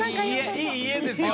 いい家ですよ！